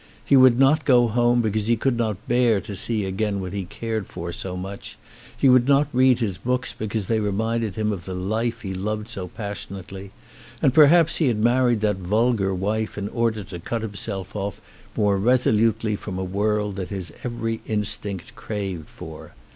He would not go home because he could not bear to see again what he cared for so much, he would not read his books because they reminded him of the life he loved so passionately , and perhaps he had married that vulgar wife in order to cut himself off more resolutely from a world that his every instinct craved for.